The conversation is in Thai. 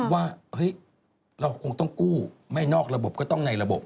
ว่าเฮ้ยเราคงต้องกู้ไม่นอกระบบก็ต้องในระบบ